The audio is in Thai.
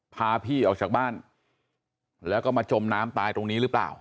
พาพี่ออกจากบ้านแล้วก็มาจมน้ำตายตรงนี้หรือเปล่า